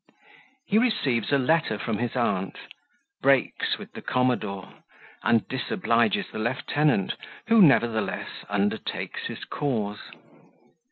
He receives a Letter from his Aunt, breaks with the Commodore, and disobliges the Lieutenant, who, nevertheless, undertakes his Cause.